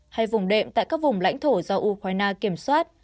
hay vùng đệm tại các vùng lãnh thổ do ukraine kiểm soát